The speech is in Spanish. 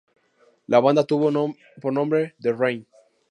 La banda tuvo por nombre "The Rain".